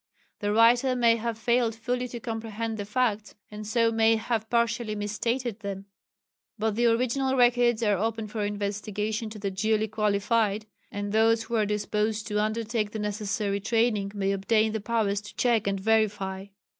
The writer may have failed fully to comprehend the facts, and so may have partially misstated them. But the original records are open for investigation to the duly qualified, and those who are disposed to undertake the necessary training may obtain the powers to check and verify.